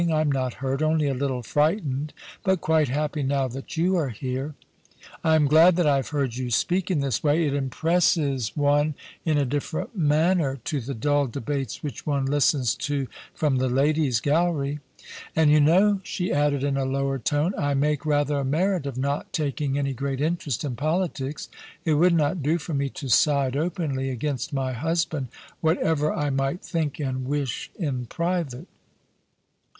I am not hurt — only a little frightened, but quite happy now that you are here. I am glad that I have heard you speak in this way. It impresses THE PREMIER. 13 one in a different manner to the dull debates which one listens to from the Ladies* Gallery. And, you know,' she added in a lower tone, ' I make rather a merit of not taking any great interest in politics ; it would not do for me to side openly against my husband, whatever I might think and wish in private.'